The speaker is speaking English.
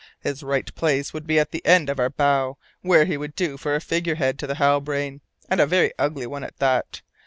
His right place would be at the end of our bow, where he would do for a figurehead to the Halbrane, and a very ugly one at that!